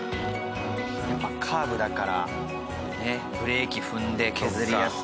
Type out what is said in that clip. やっぱカーブだからブレーキ踏んで削りやすくなったりとか。